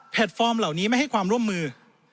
ฟอร์มเหล่านี้ไม่ให้ความร่วมมือ